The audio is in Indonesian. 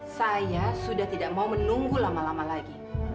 saya sudah tidak mau menunggu lama lama lagi